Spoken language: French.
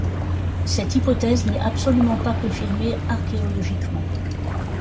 Cette hypothèse n’est absolument pas confirmée archéologiquement.